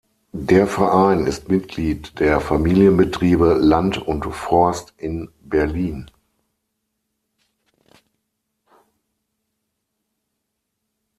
Der Verein ist Mitglied der Familienbetriebe Land und Forst in Berlin.